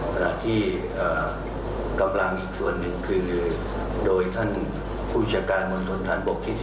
ขณะที่กำลังอีกส่วนหนึ่งคือโดยท่านผู้จัดการมณฑนฐานบกที่๓